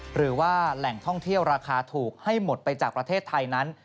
หรือว่าแหล่งท่องเที่ยวราคาถูกให้หมดไปจากประเทศไทยนั้น